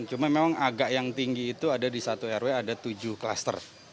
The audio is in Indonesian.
cuma memang agak yang tinggi itu ada di satu rw ada tujuh klaster